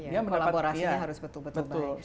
kolaborasinya harus betul betul baik